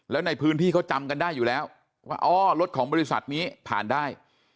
แล้วในพื้นที่เขาจำกันได้อยู่แล้วว่าอ๋อรถของบริษัทนี้ผ่านได้